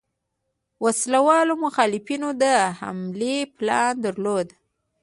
وسله والو مخالفینو د حملې پلان درلود.